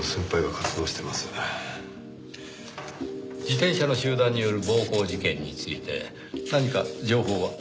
自転車の集団による暴行事件について何か情報は？